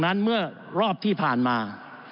นั้นเมื่อรอบที่ผ่านมา